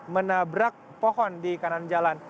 menabrak pohon di kanan jalan